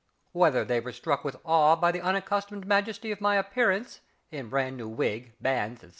Whether they were struck with awe by the unaccustomed majesty of my appearance in brand new wig, bands, &c.